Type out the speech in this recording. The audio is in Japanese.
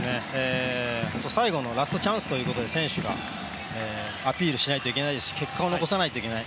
最後のラストチャンスということで選手がアピールしないといけないですし結果を残さないといけない。